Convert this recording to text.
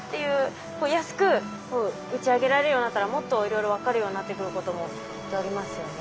安く打ち上げられるようになったらもっといろいろ分かるようになってくることもきっとありますよね。